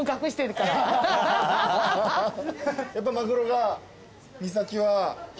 やっぱマグロが三崎は。